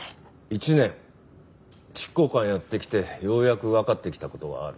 １年執行官をやってきてようやくわかってきた事がある。